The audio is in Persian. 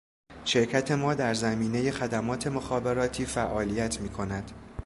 شرکت ما در زمینه خدمات مخابراتی فعالیت میکند